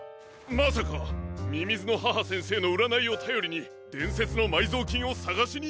まさかみみずの母先生のうらないをたよりにでんせつのまいぞうきんをさがしに？